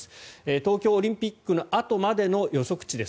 東京オリンピックのあとまでの予測値です。